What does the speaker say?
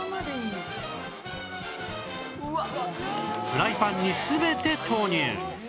フライパンに全て投入